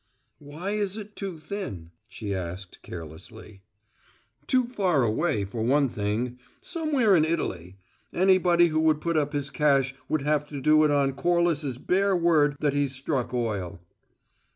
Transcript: "Why is it `too thin'?" she asked carelessly. "Too far away, for one thing somewhere in Italy. Anybody who put up his cash would have to do it on Corliss's bare word that he's struck oil."